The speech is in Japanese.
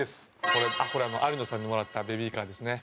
これあの有野さんにもらったベビーカーですね。